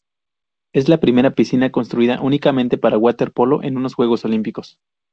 Es la primera piscina construida únicamente para waterpolo en unos Juegos Olímpicos.